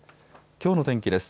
きょうの天気です。